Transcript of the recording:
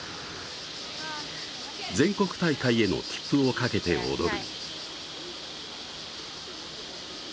全国大会への切符をかけて踊る。